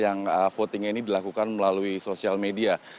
yang voting nya ini dilakukan melalui sosial media